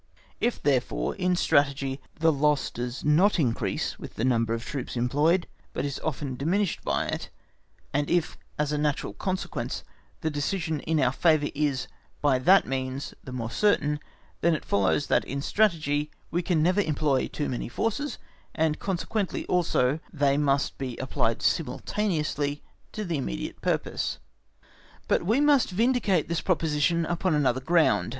If, therefore, in Strategy the loss does not increase with the number of the troops employed, but is often diminished by it, and if, as a natural consequence, the decision in our favor is, by that means, the more certain, then it follows naturally that in Strategy we can never employ too many forces, and consequently also that they must be applied simultaneously to the immediate purpose. But we must vindicate this proposition upon another ground.